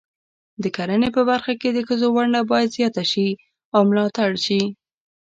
د کرنې په برخه کې د ښځو ونډه باید زیاته شي او ملاتړ شي.